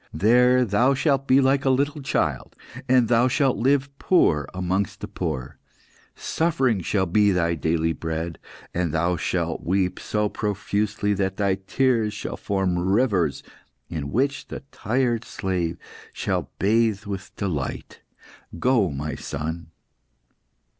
There Thou shalt be like a little child, and Thou shalt live poor amongst the poor. Suffering shall be Thy daily bread, and Thou shalt weep so profusely that Thy tears shall form rivers, in which the tired slave shall bathe with delight. Go, My Son!